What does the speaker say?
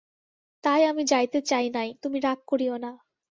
তাই আমি যাইতে চাই নাই, তুমি রাগ করিয়ো না।